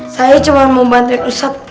saya cuma mau bantuin rusak